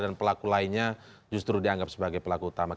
dan pelaku lainnya justru dianggap sebagai pelaku utama